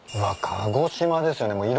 鹿児島ですよね。